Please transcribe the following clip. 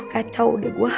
kacau deh gue